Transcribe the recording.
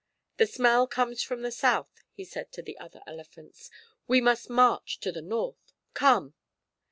"The smell comes from the South," he said to the other elephants. "We must march to the North! Come!"